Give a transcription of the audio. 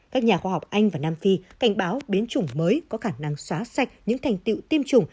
các nhà khoa học anh và nam phi cảnh báo biến chủng mới có khả năng xóa sạch những thành tiệu tiêm chủng